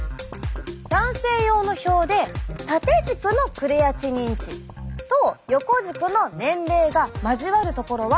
男性用の表で縦軸のクレアチニン値と横軸の年齢が交わるところはここ！